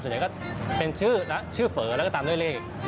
ก็เป็นชื่อเฝอแล้วก็ตามด้วยเลข